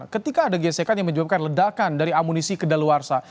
ketika ada gesekan yang menyebabkan ledakan dari amunisi kedaluarsa